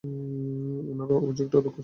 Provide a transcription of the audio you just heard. উনার অভিযোগটা দুঃখজনক।